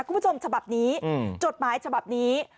คุณผู้ชมฉบับนี้จดหมายฉบับนี้